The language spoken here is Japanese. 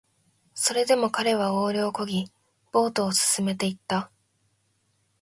それでも彼はオールを漕ぎ、ボートを進めていった